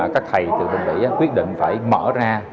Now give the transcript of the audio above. các thầy từ bình địa quyết định phải mở ra